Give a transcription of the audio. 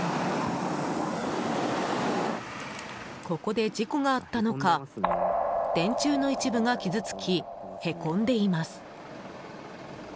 ここで事故があったのか電柱の一部が傷つきへこんでいます。